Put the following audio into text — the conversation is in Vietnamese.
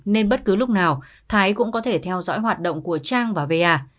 nên bất cứ lúc nào thái cũng có thể theo dõi hoạt động của trang và va